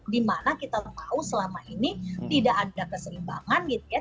dimana kita tahu selama ini tidak ada keseimbangan gitu ya